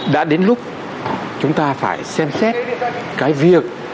đã đến lúc chúng ta phải xem xét cái việc